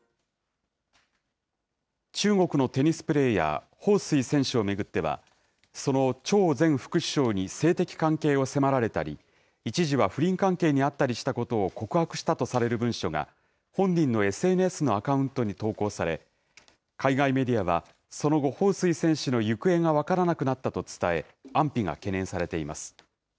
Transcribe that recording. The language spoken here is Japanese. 中国のテニスプレーヤー、彭帥選手を巡っては、その張前副首相に性的関係を迫られたり、一時は不倫関係にあったことなどを告白したとされる文書が、本人のＳＮＳのアカウントに投稿され、海外メディアは、その後、彭帥選手の行方が分からなくなったと伝え、安否が懸念されています。